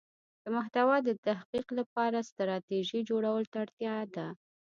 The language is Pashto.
د محتوا د تحقق لپاره ستراتیژی جوړولو ته اړتیا ده.